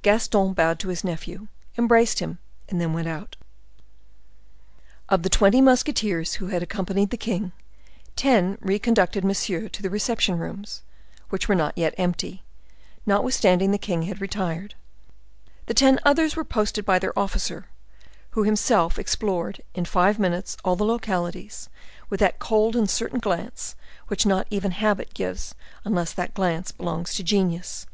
Gaston bowed to his nephew, embraced him, and then went out. Of the twenty musketeers who had accompanied the king, ten reconducted Monsieur to the reception rooms, which were not yet empty, notwithstanding the king had retired. The ten others were posted by their officer, who himself explored, in five minutes, all the localities, with that cold and certain glance which not even habit gives unless that glance belongs to genius.